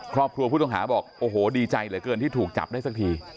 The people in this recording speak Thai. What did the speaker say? ครอบครัวผู้ต้องหาบอกโอ้โหดีใจเหลือเกินที่ถูกจับได้สักที